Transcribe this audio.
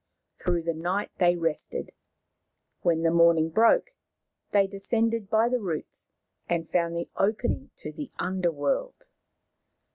Through the night they rested. When the morning broke they descended by the roots and found the opening to the underworld.